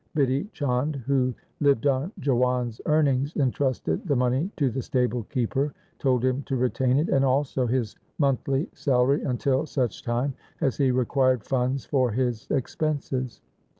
Bidhi Chand, who lived on Jiwan's earnings, entrusted the money to the stable keeper, told him to retain it, and also his monthly salary until such time as he required funds for his expenses.